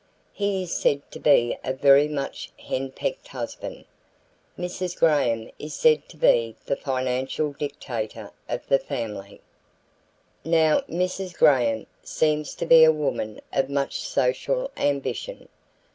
He is said to be a very much henpecked husband. Mrs. Graham is said to be the financial dictator of the family. "Now, Mrs. Graham seems to be a woman of much social ambition.